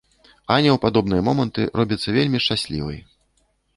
Аня ў падобныя моманты робіцца вельмі шчаслівай.